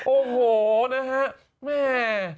โอ้โหนะฮะแม่